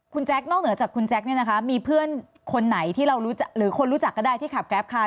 คุณแจ๊คนอกเหนือจากคุณแจ๊คเนี่ยนะคะมีเพื่อนคนไหนที่เรารู้จักหรือคนรู้จักก็ได้ที่ขับแกรปค่ะ